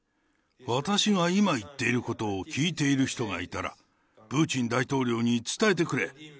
私が今言っていることを聞いている人がいたら、プーチン大統領に伝えてくれ。